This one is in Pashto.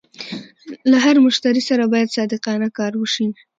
له هر مشتري سره باید صادقانه کار وشي.